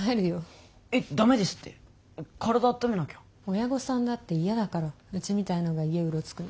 親御さんだって嫌だからうちみたいのが家うろつくの。